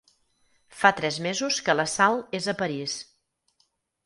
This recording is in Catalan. Fa tres mesos que la Sal és a París.